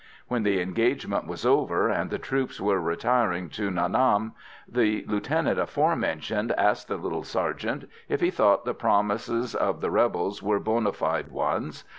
When the engagement was over, and the troops were retiring to Nha Nam, the lieutenant aforementioned asked the little sergeant if he thought the promises of the rebels were bona fide ones.